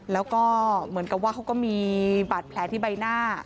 แล้วก็เหมือนกับว่าเขาก็มีบาดแผลที่ใบหน้า